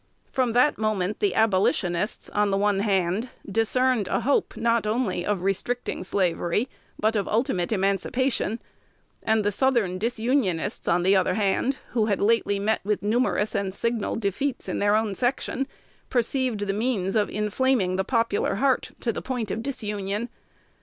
From that moment the Abolitionists, on the one hand, discerned a hope, not only of restricting slavery, but of ultimate emancipation; and the Southern Disunionists, on the other, who had lately met with numerous and signal defeats in their own section, perceived the means of inflaming the popular heart to the point of disunion.